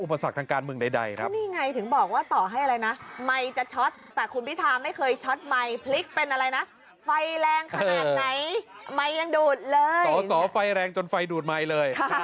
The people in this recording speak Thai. ไมค์ยังดูดเลยสอไฟแรงจนไฟดูดไมค์เลยค่ะค่ะ